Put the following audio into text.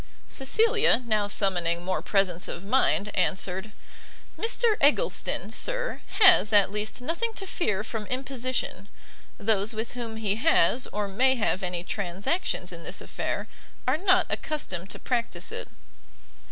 Cecilia, now, summoning more presence of mind, answered, "Mr Eggleston, sir, has, at least, nothing to fear from imposition: those with whom he has, or may have any transactions in this affair, are not accustomed to practice it."